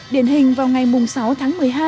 điển hình vào ngày sáu tháng một mươi hai